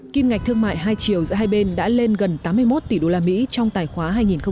kim ngạch thương mại hai chiều giữa hai bên đã lên gần tám mươi một tỷ usd trong tài khoá hai nghìn một mươi bảy hai nghìn một mươi tám